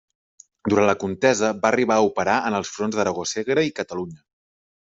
Durant la contesa va arribar a operar en els fronts d'Aragó, Segre i Catalunya.